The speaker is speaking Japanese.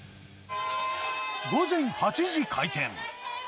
午前８時開店。